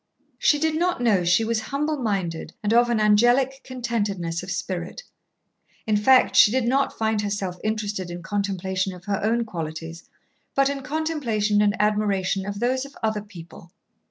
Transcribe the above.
She did not know she was humble minded and of an angelic contentedness of spirit. In fact, she did not find herself interested in contemplation of her own qualities, but in contemplation and admiration of those of other people.